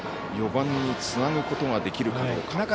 ４番につなぐことができるかどうか。